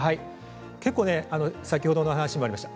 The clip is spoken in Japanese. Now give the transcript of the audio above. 結構、先ほどの話にもありました。